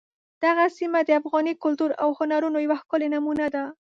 دغه سیمه د افغاني کلتور او هنرونو یوه ښکلې نمونه ده.